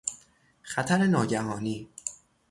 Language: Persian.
خطر ناگهانی